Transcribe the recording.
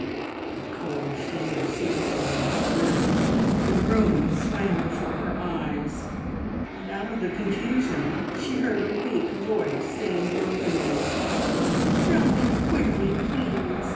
A cold fear seized her in its grip, the room swam before her eyes, and out of the confusion she heard a weak voice saying brokenly, "Tell me quickly, please!